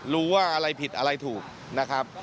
รู้ว่าอะไรผิดอะไรถูกนะครับ